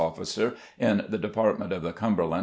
officer in the Department of the Cum Maj.